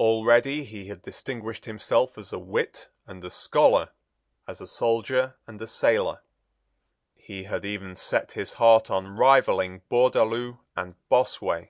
Already he had distinguished himself as a wit and a scholar, as a soldier and a sailor. He had even set his heart on rivalling Bourdaloue and Bossuet.